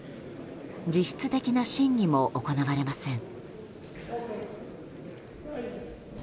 実質的な審議も行われません。